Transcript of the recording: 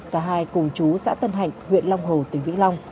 cả hai cùng chú xã tân hạnh huyện long hồ tỉnh vĩnh long